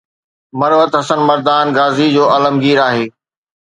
مروت حسن مردان غازي جو عالمگير آهي